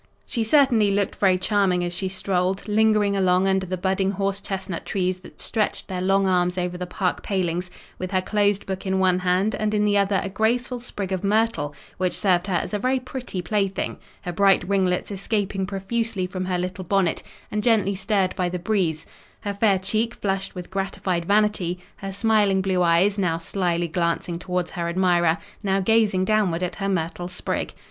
She certainly looked very charming as she strolled, lingering along under the budding horse chestnut trees that stretched their long arms over the park palings; with her closed book in one hand, and in the other a graceful sprig of myrtle, which served her as a very pretty plaything; her bright ringlets escaping profusely from her little bonnet, and gently stirred by the breeze, her fair cheek flushed with gratified vanity, her smiling blue eyes, now slyly glancing towards her admirer, now gazing downward at her myrtle sprig.